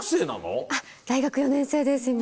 大学４年生です今。